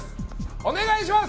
お願いします！